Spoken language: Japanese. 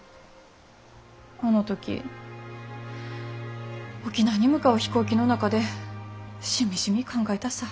あの時沖縄に向かう飛行機の中でしみじみ考えたさ。